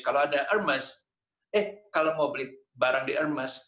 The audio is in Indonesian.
kalau ada hermes kalau anda mau beli barang di hermes